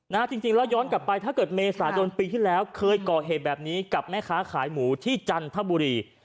จริงแล้วย้อนกลับไปถ้าเกิดเมษายนปีที่แล้วเคยก่อเหตุแบบนี้กับแม่ค้าขายหมูที่จันทบุรี